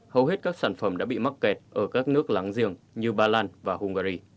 hầu hết các sản phẩm đã bị mắc kẹt ở các nước láng giềng như ba lan và hungary